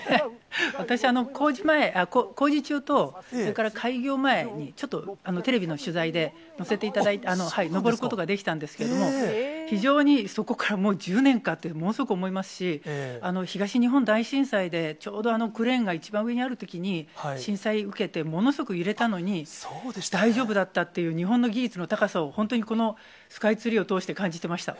私、工事中と、それから開業前に、ちょっとテレビの取材で、乗せていただいた、上ることができたんですけれども、非常にそこからもう１０年かと、ものすごく思いますし、東日本大震災でちょうどクレーンが一番上にあるときに、震災受けて、ものすごく揺れたのに、大丈夫だったっていう、日本の技術の高さを本当に、このスカイツリーを通して、感じてました。